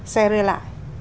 xe rê lại